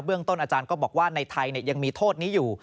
ต้นอาจารย์ก็บอกว่าในไทยยังมีโทษนี้อยู่